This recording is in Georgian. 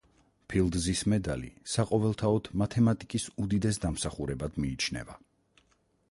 ფილდზის მედალი საყოველთაოდ მათემატიკის უდიდეს დამსახურებად მიიჩნევა.